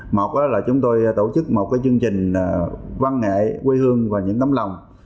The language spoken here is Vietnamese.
một là chúng tôi tổ chức một chương trình văn nghệ quê hương và những tấm lòng